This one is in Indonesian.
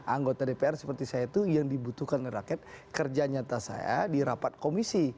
anggota dpr seperti saya itu yang dibutuhkan rakyat kerja nyata saya di rapat komisi